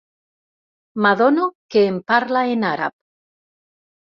M'adono que em parla en àrab.